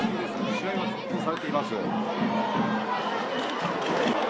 試合も続行されています。